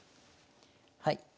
はい。